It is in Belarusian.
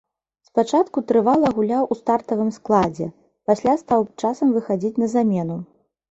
Спачатку трывала гуляў у стартавым складзе, пасля стаў часам выхадзіць на замену.